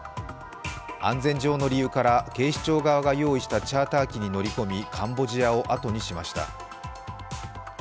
安全上の理由から、警視庁側が用意したチャーター機に乗り込み、カンボジアをあとにしました。